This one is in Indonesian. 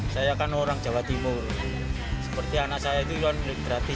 saya kan orang jawa timur seperti anak saya itu gratis